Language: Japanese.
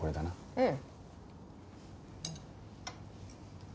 うん。